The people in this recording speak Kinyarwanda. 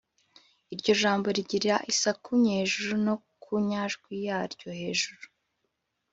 iryo jambo rigira isaku nyejuru no ku nyajwi yaryo hejueru.